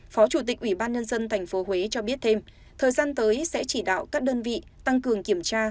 phó chủ tịch ubnd tp huế cho biết thêm thời gian tới sẽ chỉ đạo các đơn vị tăng cường kiểm tra